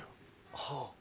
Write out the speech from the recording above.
はあ。